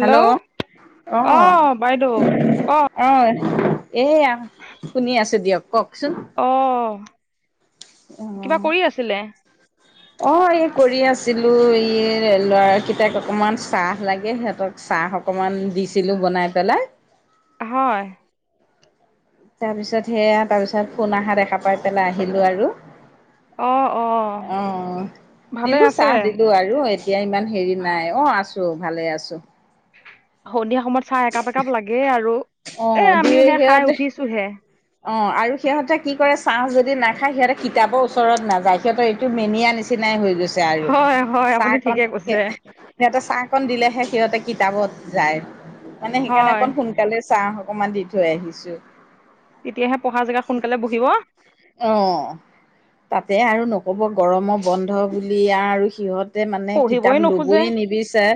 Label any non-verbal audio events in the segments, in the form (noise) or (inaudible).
Hello অ অঁ। বাইদেউ ক এ, এয়া শুনি আছো দিয়ক কওকচোন? অঁ। আহ। (inaudible) অঁ এই কৰি আছিলো। এই ল'ৰাকেইটাক অকমান চাহ লাগে। সিহঁতক চাহ অকণমান দিছিলোঁ বনাই পেলাই। হয়। তাৰ পিছত সেয়া তাৰপিছত ফোন আহাত দেখা পাই পেলাই আহিলো আৰু। অ অ অঁহ, ভালে দিলো আছে চাহ দিলো আৰু এই এতিয়া ইমান হেৰি নাই। অঁ আছো ভালে আছো। সন্ধিয়া সময়ত চাহ একাপ একাপ লাগে আৰু। অ এ আমিওহে খাই উঠিছোহে। অঁ আৰু সিহঁতে কি কৰে চাহ যদি নাখায় সিহঁতে কিতাপৰ ওচৰত নাযায়। সিহঁতে এইটো মেনিয়া নিচিনাই হৈ গৈছে আৰু। হয় হয় আপুনি চাহকণ ঠিকে খে কৈছে সিহঁতে চাহ অকণ দিলেহে সিহঁতে কিতাপত যায়। মানে সেইকাৰণে হয় অকণ সোন কালে চাহ অকমান দি থৈ আহিছো। তেতিয়াহে পঢ়া জেগাত সোনকালে বহিব। অঁ, তাতে আৰু নকব গৰম বন্ধ বুলি আৰু সিহঁত যে মানে কিতাপ পঢ়িবই নোখোজে লবয় নিবিচাৰে।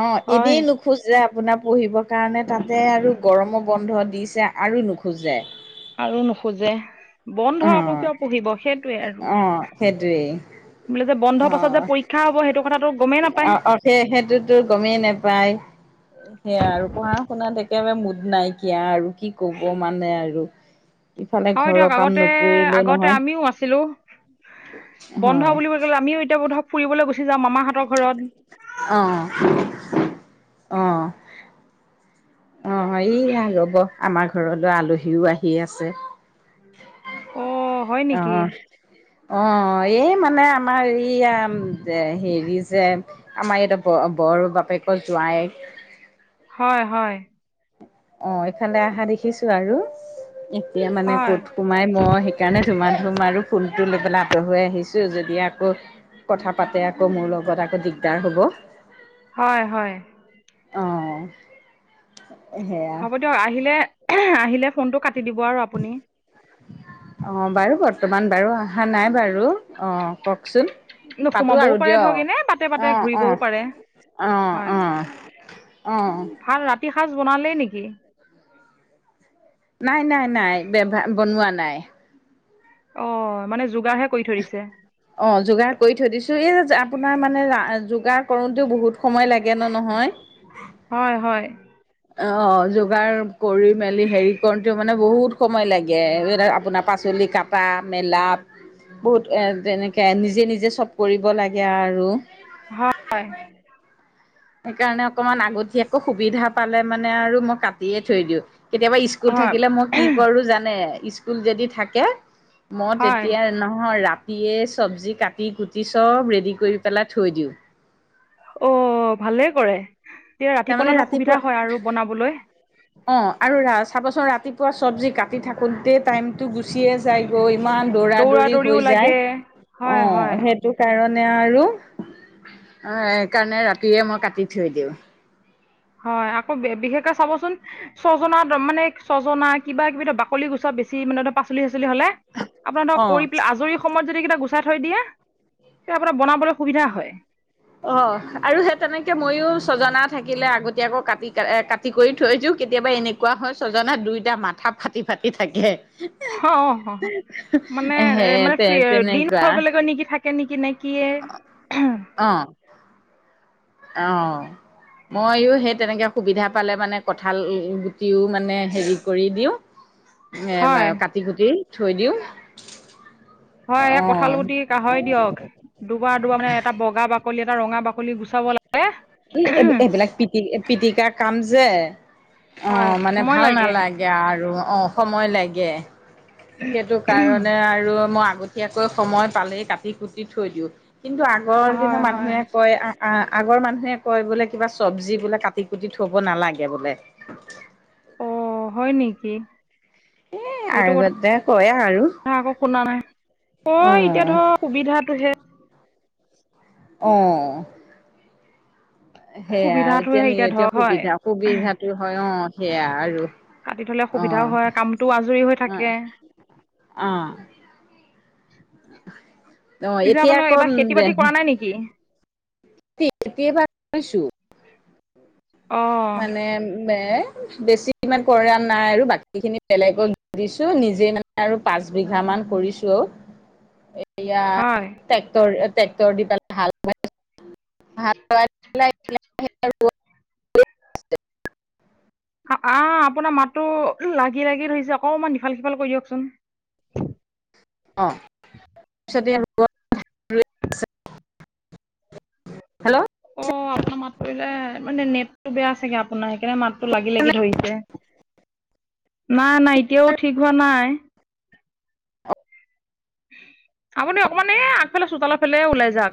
অঁ হয় এনেই নোখোজ যে আপোনাৰ পঢ়িব কাৰণে তাতে আৰু গৰমৰ বন্ধ দিছে আৰু নোখোজে। আৰু নোখোজে, বন্ধ আকৌ অ' কিয় পুঢ়িব সেইটোৱে আৰু। অ' সেইটোৱেই বোলে যে বন্ধৰ পাছত অ'। যে পৰীক্ষা হ'ব সেইটো কথাটো গমেই নাপায়। সে সেইটোতো গমেই নেপায়। সেয়া আৰু পঢ়া - শুনাত একেবাৰে মুদ নাইকিয়া আৰু কি কব মানে আৰু? ইফালে হয় দিয়ক ঘৰত আগতে আগতে আমিও আছিলো। বন্ধ হয় বুলিব গলে আমিও এতিয়া বো ধক ফুৰিবলৈ গুচি যাম মামাহঁতৰ ঘৰত। অঁ। অঁ সেইয়া ৰব আমাৰ ঘৰলৈ আলহীও আহি আছে। অ' হয় নেকি অঁ! অঁ এই মানে আমাৰ এইয়া যে হেৰি যে আমাৰ ইয়াতে ব বৰ বাপেকো যোৱাইক হয় হয়। অঁ এইফালে অহা দেখিছো আৰু। এতিয়া মানে হয় কত সোমাই মই সেইকাৰণে ধুমা ধুম আৰু ফুলটো লৈ পেলাই আঁতৰ হৈ আহিছোঁ। যদি আকৌ কথা পাতে আকৌ মোৰ লগত আকৌ দিগদাৰ হ'ব। হয় হয়। অ সেয়া। হ'ব দিয়ক আহিলে এঁহে আহিলে ফোনটো কাটি দিব আৰু আপুনি। অঁ বাৰু বৰ্তমান বাৰু অহা নাই বাৰু, অঁ কওকচোন? পাতো নোসোমাবও আৰু পাৰে দিয়, ধৰক এনে বাটে বাটে অঁ অঁ। ঘূৰিবও পাৰে অঁ হয় অঁ, অঁ। তি সাঁজ বনালেই নেকি? নাই নাই নাই বেভা বনোৱা নাই। অঁ মানে যোগাৰহে কৰি থৈ দিছে। অঁ যোগাৰ কৰি থৈ দিছো, এই যে আপোনাৰ মানে আ যোগাৰ কৰোঁতেও বহুত সময় লাগে ন নহয়। হয় হয়। অ যোগাৰ কৰি মেলি হেৰি কৰোতেও মানে বহুত সময় লাগে এ এ আপোনাৰ পাচলি কাটা মেলাপ বহুত এ যেনেকে নিজে নিজে চব কৰিব লাগে আৰু। হয়। সেইকাৰণে অকমান আগতিয়াকো সুবিধা পালে মানে আৰু মক কাতিয়ে থৈ দিও কেতিয়াবা স্কুল হয় থাকিলে মই কি কৰো জানে ইচ স্কুল যদি থাকে মই হয় তেতিয়াই নহয় ৰাতিয়ে চব্জি কাটি কুটি চব ৰেডি কৰি পেলাই থৈ দিও। অ ভালেই কৰে তেতিয়া তাৰমানে ৰাতিপুৱালে ধৰ ৰাতিপুৱা সুবিধা হয় আৰু বনাবলৈ। অ আৰু ৰা চাবাচোন ৰাতিপুৱা চব্জি কা টি থাকোতেই টাইমতো গুচিয়ে যায়গৈ ইমান দৌৰা দৌৰি দৌৰিও হৈ যায়। লাগে হয় অ হ সেইটো কাৰণে আৰু অ সেইকাৰণে ৰাতিয়ে মই কাটি থৈ দিও। হয় আকৌ বে বিশেষকৈ চাবচোন ছজনা দমানে ছজনা কিবা কিবি ধৰ বাকলি গুচোৱা বেছি মানে ধৰ পাচলি চাচলি হলে আপোনা ধক অ' কৰি পেলাই আজৰি সময়ত যদি এইকেইটা গুচাই থৈ দিয়ে তে আপোনাৰ বনাবলৈ সুবিধা হয়। অ আৰু সে তেনেকে ময়ো ছজনা থাকিলে আগতীয়াকৈ কাটি কে কা টি কৰি থৈ দিও কেতিয়াবা এনেকোৱা হয় ছজনা দুইটা মাথা ফাটি ফাটি থাকে। স অ হ হ মানে হে এ মানে তে ফ্ৰী য়ে দিন তেনেকুৱা হৈগলেগৈ নেকি থা কে নেকি নে কিয়ে অ অ ময়ো সেই তেনেকে সুবিধা পালে মানে কঁঠাল গু তিও মানে হেৰি কৰি দিও নে বে হয় কা টি কুটি থৈ দিও। হয় এই কঁঠাল গুটি কাহয় দিয়ক দুবাৰ দুবা মানে এটা বগা বাকলি এটা ৰঙা বাকলি গুচাব লা ই এইবিলাক পিটি পিটিকা কাম যে অ হয় মানে সময় ভাল লাগে নালা গে আৰু অ সময় লাগে। সেইটো কাৰণে আৰু মই আগতীয়াকৈ সময় পালেই কাটি কুটি থৈ দিও কিন্তু আ গৰ হয় দিনৰ হয় মানুহে কয় আ আ আগৰ মানুহে কয় বোলে কিবা চব্জি বোলে কাটি কুটি থব নালাগে বোলে। অ হয় নেকি। এ এইটো কথা আগতে কয় আৰু আক শুনা নাই অ এতিয়া ধৰক সুবিধাটোহে অ সেয়া সুবিধাটোহে এতিয়া নি এতিয়া ধৰ হয় সুবিধা সুবিধাটো হয় অ সেয়া আৰু। কাটি থলে সুবিধাও হয় কামটোও আজৰি হৈ অ'। থাকে। অ অ পিছে এতিয়া আপোনাৰ কম এইবাৰ খেতি যে বাতি কৰা নাই নেকি ঢেকী ঢেকীৰ ভাত খাইছো অ মানে বে বেছি ইমান কৰা নাই আৰু বাকী খিনি বেলেগক দিছো নিজে মানে আৰু পাঁচ বিঘামান কৰিছো অ এতিয়া হয় ট্ৰেক্টৰ এ ট্ৰেক্টৰ দি পেলাই হাল বোৱাই হাল বোৱাই পেলাই ইফালে হেৰি আৰু এক (unintelligible) আ আহ আপোনাৰ মাতো লাগি - লাগি ধৰিছে অকমান সিফাল -সিফাল কৰি দিয়কচোন? অ পিছতীয়া হৈ গ'ল। অ আপোনাৰ মাতটোলে মানে নেটটো বেয়া চাগে আপোনাৰ সেইকাৰণে মাতটো লাগি লাগি ধৰিছে। (unintelligible) নাই নাই এতিয়াও ঠিক হোৱা নাই। আপুনি অকণমান এই আগফালে চোতলৰ ফালে ওলাই যাক।